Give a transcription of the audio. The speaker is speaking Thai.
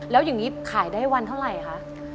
แล้วอย่างนี้ขายได้วันเท่าไหร่คะ